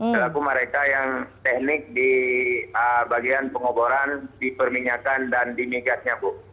selaku mereka yang teknik di bagian pengoboran di perminyakan dan di migasnya bu